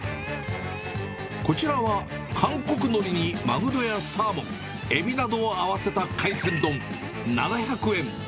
こちらは韓国のりにマグロやサーモン、エビなどを合わせた海鮮丼、７００円。